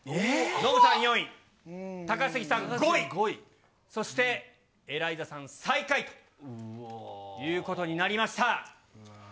ノブさん４位、高杉さん５位、そしてエライザさん最下位ということになりました。